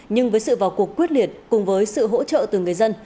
nhưng với sự vào cuộc quyết liệt cùng với sự hỗ trợ từ người dân